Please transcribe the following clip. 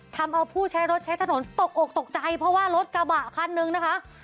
ทำเอาผู้ใช้รถใช้ถนนตกอกตกใจเพราะว่ารถกระบะคันนึงนะคะ